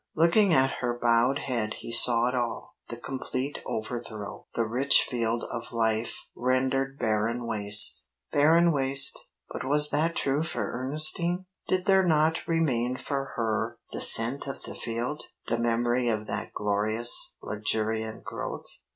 Looking at her bowed head he saw it all the complete overthrow, the rich field of life rendered barren waste. Barren waste but was that true for Ernestine? Did there not remain for her the scent of the field? The memory of that glorious, luxuriant growth?